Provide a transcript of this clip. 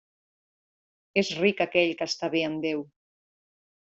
És ric aquell que està bé amb Déu.